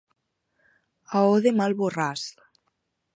A o de mal borràs.